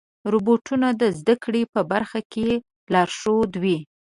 روبوټونه د زدهکړې په برخه کې لارښود وي.